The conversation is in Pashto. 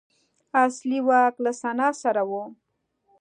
اصلي واک له سنا سره و